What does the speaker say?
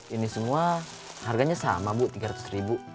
ini semua harganya sama bu tiga ratus ribu